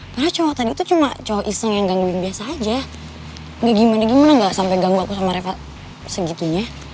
padahal cowok tadi tuh cuma cowok iseng yang gangguin biasa aja ya enggak gimana gimana enggak sampai ganggu aku sama reva segitunya